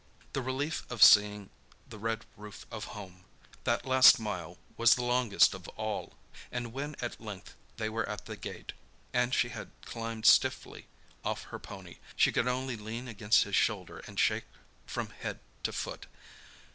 The relief of seeing the red roof of home! That last mile was the longest of all—and when at length they were at the gate, and she had climbed stiffly off her pony, she could only lean against his shoulder and shake from head to foot.